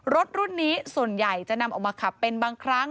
รถรุ่นนี้ส่วนใหญ่จะนำออกมาขับเป็นบางครั้ง